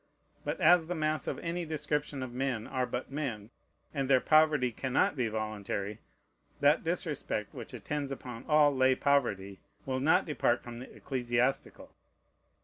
But as the mass of any description of men are but men, and their poverty cannot be voluntary, that disrespect which attends upon all lay poverty will not depart from the ecclesiastical.